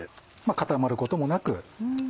固まることもなく。